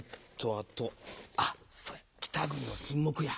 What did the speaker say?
あとあっそや『北国の沈黙』や。